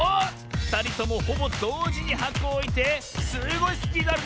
ふたりともほぼどうじにはこをおいてすごいスピードあるね！